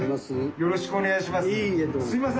よろしくお願いします。